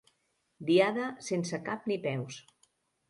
Diada sense cap ni peus.